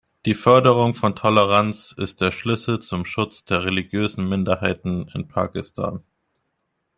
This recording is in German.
Die Förderung von Toleranz ist der Schlüssel zum Schutz der religiösen Minderheiten in Pakistan.